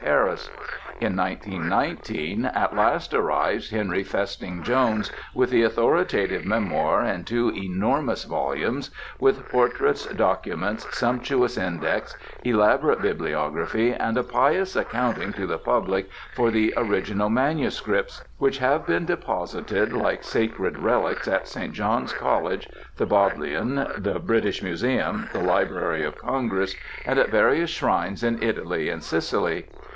Harris. In 1919 at last arrives Henry Festing Jones with the authoritative memoir in two enormous volumes with portraits, documents, sumptuous index, elaborate bibliography and a pious accounting to the public for the original manuscripts, which have been deposited like sacred relics at St. John's College, the Bodleian, the British Museum, the Library of Congress and at various shrines in Italy and Sicily.